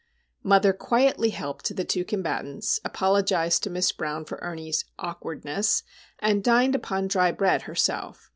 Mother quietly helped the two combatants, apologised to Miss Brown for Ernie's "awkwardness," and dined upon dry bread herself.